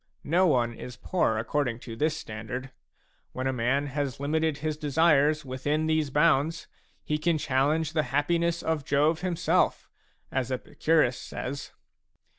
No one is poor accord ing to this standard ; when a man has limited his desires within these bounds, he can challenge the happiness of Jove himself, as Epicurus says.